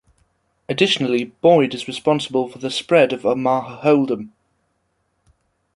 Additionally, Boyd is responsible for the spread of Omaha hold 'em.